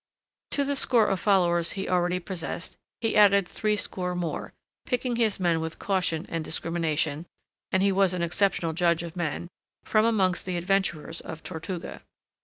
To the score of followers he already possessed, he added threescore more, picking his men with caution and discrimination and he was an exceptional judge of men from amongst the adventurers of Tortuga.